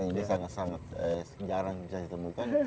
ini sangat sangat jarang bisa ditemukan